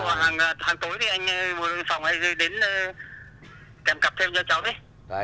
nhưng mà hàng tối thì anh một đội yên phòng hay đến kèm cặp thêm cho cháu đấy